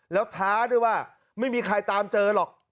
แล้วท้าด้วยว่าไม่มีใครตามเจอหรอก